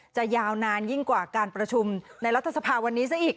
ยาวนานยิ่งกว่าการประชุมในรัฐสภาวันนี้ซะอีก